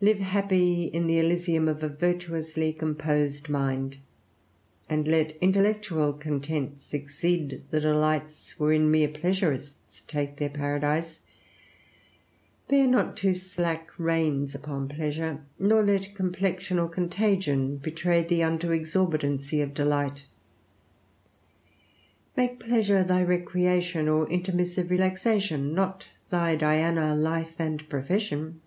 Live happy in the Elysium of a virtuously composed mind, and let intellectual contents exceed the delights wherein mere pleasurists place their paradise. Bear not too slack reins upon pleasure, nor let complexion or contagion betray thee unto the exorbitancy of delight. Make pleasure thy recreation or intermissive relaxation, not thy Diana, life, and profession.